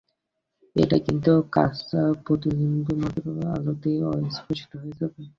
এটা কিন্তু কাঁচা প্রতিলিপিমাত্র, আলোতে অস্পষ্ট হয়ে যাবে।